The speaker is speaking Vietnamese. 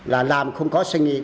là làm không có suy nghĩ